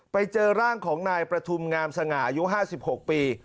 ไปเจอร่างของนายประทุมงามสง่าอายุ๕๖ปี